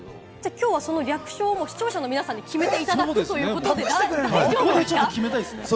きょうは略称を視聴者の皆さんに決めていただくということで、大丈夫ですか？